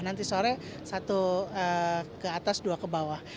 nanti sore satu ke atas dua ke bawah